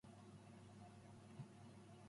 They play in the Slovenian PrvaLiga.